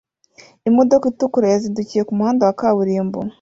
imodoka itukura yazindukiye kumuhanda wa kaburimbo